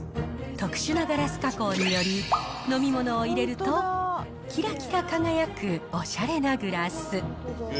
特殊なガラス加工により、飲み物を入れると、きらきら輝くおしゃれなグラス。